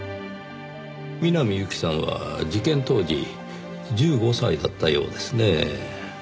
南侑希さんは事件当時１５歳だったようですねぇ。